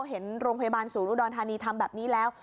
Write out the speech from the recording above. เห็นโรงพยาบาลศูนย์อุดรธานีทำแบบนี้แล้ว